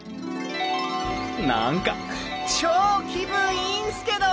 何か超気分いいんすけど！